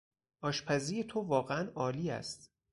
آشپزی تو واقعا عالی است.